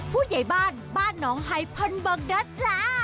ผู้ใหญ่บ้านบ้านหนองไฮพันบังนะจ๊ะ